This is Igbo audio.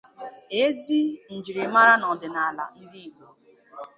ezi njirimara na ọdịnala ndị Igbo.